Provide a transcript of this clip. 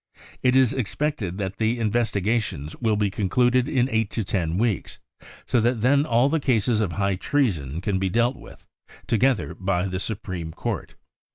It is expected that the investi gations will be concluded in 8 to xo weeks, so that then all the cases of high treason can be dealt with together by the Supreme Court.